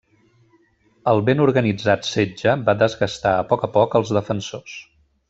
El ben organitzat setge va desgastar a poc a poc als defensors.